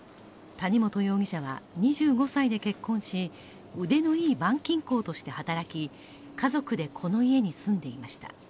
谷本容疑者は２５歳で結婚し、腕のいい板金工として働き家族で、この家に住んでいました。